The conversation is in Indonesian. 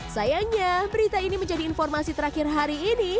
sayangnya berita ini menjadi informasi terakhir hari ini